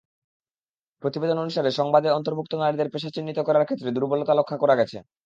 প্রতিবেদন অনুসারে সংবাদে অন্তর্ভুক্ত নারীদের পেশা চিহ্নিত করার ক্ষেত্রে দুর্বলতা লক্ষ্য করা গেছে।